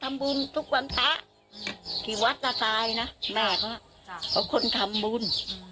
น่ามากเพราะคนทำมุ่น